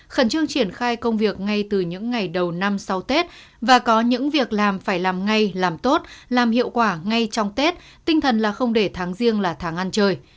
khẩn trương triển khai công việc ngay từ những ngày đầu năm sau tết và có những việc làm phải làm ngay làm tốt làm hiệu quả ngay trong tết tinh thần là không để tháng riêng là tháng ăn trời